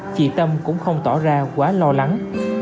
chị tâm cũng không tỏ ra quá lo lắng